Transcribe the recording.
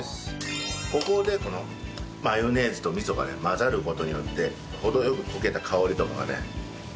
ここでこのマヨネーズと味噌が混ざる事によって程良く溶けた香りとかがねいいんですよ。